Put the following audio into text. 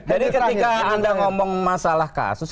jadi ketika anda ngomong masalah kasus